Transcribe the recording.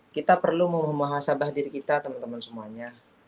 kita perlu memuha sabah diri kita teman teman semuanya